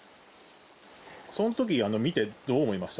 そのとき、見てどう思いました？